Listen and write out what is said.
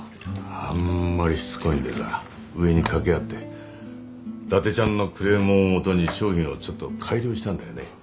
あんまりしつこいんでさ上に掛け合って伊達ちゃんのクレームを基に商品をちょっと改良したんだよね。